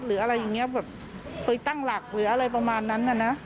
หรืออะไรอย่างนี้แบบไปตั้งหลักหรืออะไรประมาณนั้นน่ะนะ